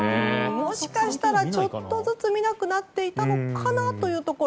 もしかしたらちょっとずつ見なくなっていたのかなというところ。